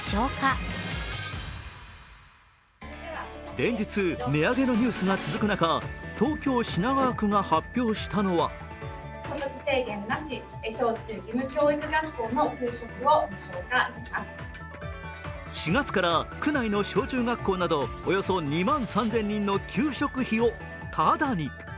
連日、値上げのニュースが続く中東京・品川区が発表したのは４月から区内の小中学校などおよそ２万３０００人の給食費をただに。